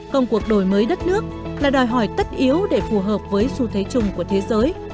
công cuộc đổi mới đất nước là đòi hỏi tất yếu để phù hợp với xu thế chung của thế giới